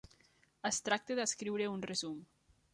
Es tracta d'escriure un resum.